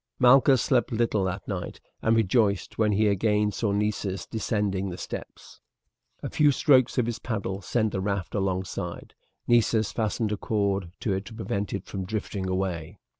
Malchus slept little that night, and rejoiced when he again saw Nessus descending the steps. A few strokes of his paddle sent the raft alongside. Nessus fastened a cord to it to prevent it from drifting away.